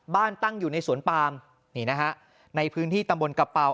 ตั้งอยู่ในสวนปามนี่นะฮะในพื้นที่ตำบลกระเป๋า